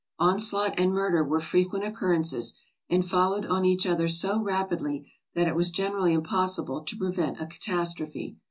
Onslaught and murder were frequent oc currences, and followed on each other so rapidly that it was generally impossible to prevent a catastrophe.